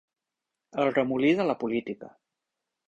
El remolí de la política.